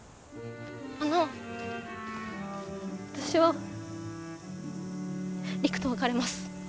あの私は陸と別れます。